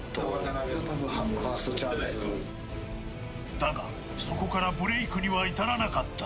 だが、そこからブレークには至らなかった。